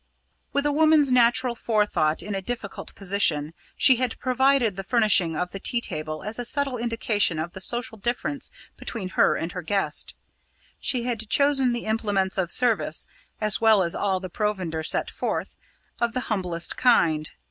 With a woman's natural forethought in a difficult position, she had provided the furnishing of the tea table as a subtle indication of the social difference between her and her guest. She had chosen the implements of service, as well as all the provender set forth, of the humblest kind.